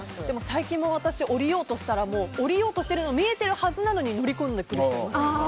最近も降りようとしたら降りようとしているのが見えてるはずなのに乗り込んでくる人いますね。